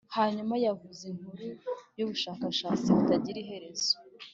hanyuma yavuze inkuru yubushakashatsi butagira iherezo